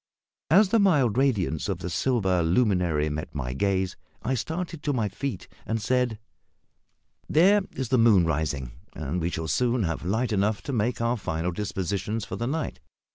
As the mild radiance of the silver luminary met my gaze I started to my feet, and said "There is the moon rising, and we shall soon have light enough to make our final dispositions for the night.